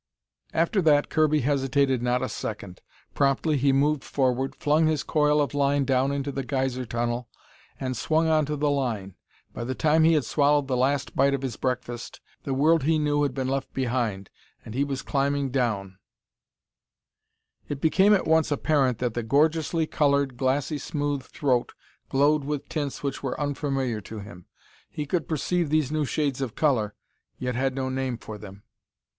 After that Kirby hesitated not a second. Promptly he moved forward, flung his coil of line down into the geyser tunnel, and swung on to the line. By the time he had swallowed the last bite of his breakfast, the world he knew had been left behind, and he was climbing down to a new. It became at once apparent that the gorgeously colored, glassy smooth throat glowed with tints which were unfamiliar to him. He could perceive these new shades of color, yet had no name for them.